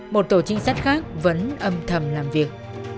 một tổ trinh sát khác vẫn âm thầm làm việc